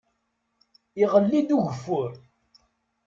Iɣelli-d ugeffur.